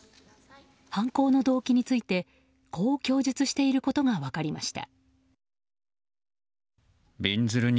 犯行の動機についてこう供述していることが分かりました。